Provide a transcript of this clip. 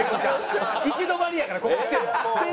行き止まりやからここ来ても。